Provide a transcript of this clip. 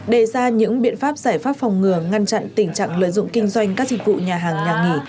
đề ra những biện pháp giải pháp phòng ngừa ngăn chặn tình trạng lợi dụng kinh doanh các dịch vụ nhà hàng nhà nghỉ